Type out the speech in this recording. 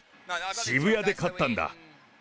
渋谷で買ったんだ。